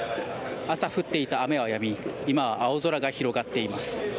朝降っていた雨はやみ今は青空が広がっています。